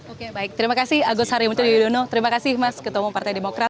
oke baik terima kasih agus harimudin yudhono terima kasih mas ketua pembangunan partai demokrat